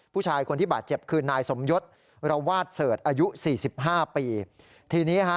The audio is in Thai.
ผู้ชายคนที่บัตรเจ็บคืนนายสมยศละวาดเสิร์ตอายุ๔๕ปี